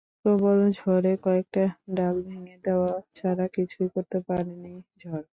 প্রবল ঝড়ে কয়েকটা ডাল ভেঙে দেওয়া ছাড়া কিছুই করতে পারেনি ঝড়।